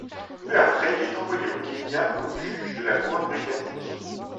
Peu après, il est envoyé au Kenya comme juge de la Couronne britannique.